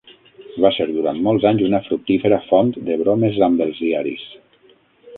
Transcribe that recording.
Va ser durant molts anys una fructífera font de bromes amb els diaris.